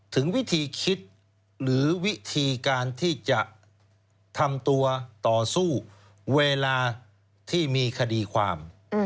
ถึงวิธีคิดหรือวิธีการที่จะทำตัวต่อสู้เวลาที่มีคดีความ